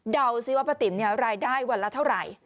เดาซิว่าป้าติ๋มรายได้วันละเท่าไหร่